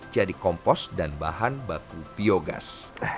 jadi kompos dan bahan baku biogas